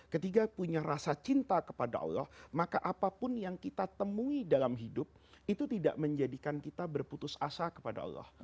ketika punya rasa cinta kepada allah maka apapun yang kita temui dalam hidup itu tidak menjadikan kita berputus asa kepada allah